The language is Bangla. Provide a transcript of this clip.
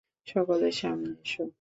সকলে সামনে এস।